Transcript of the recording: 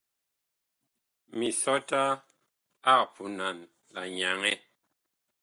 Misɔta ag punan la nyaŋɛ.